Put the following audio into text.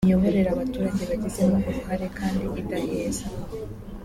imiyoborere abaturage bagizemo uruhare kandi idaheza